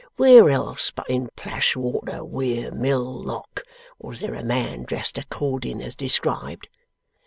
Where else but in Plashwater Weir Mill Lock was there a man dressed according as described?